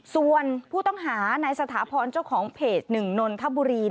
ส่วนผู้ต้องหานายสถาพรเจ้าของเพจ๑นนทบุรี